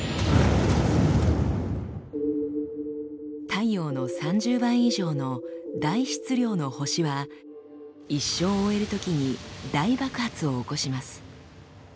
太陽の３０倍以上の大質量の星は一生を終えるときに大爆発を起こします。